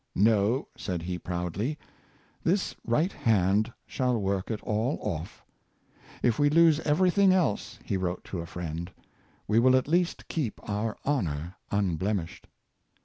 " No! " said he, proudly; "this right hand shall work it all off !"" If we lose everything else," he wrote to a friend, "we will at least keep our honor unblemished."